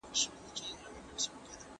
زه به سبا چپنه پاک کړم!.